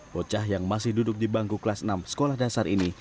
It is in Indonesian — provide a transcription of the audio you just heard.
bocah yang masih duduk di bangku kelas enam sekolah dasar ini